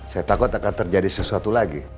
saya takut akan terjadi sesuatu lagi